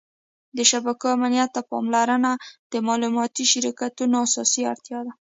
د شبکو امنیت ته پاملرنه د معلوماتي شرکتونو اساسي اړتیا ده.